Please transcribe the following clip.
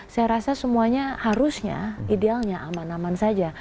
saya rasa semuanya harusnya idealnya aman aman saja